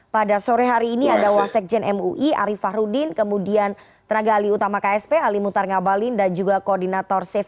pada sore hari ini ada washek jen mui arief fahruddin kemudian tenaga ahli utama ksp ahli mutar ngabalin dan juga koordinator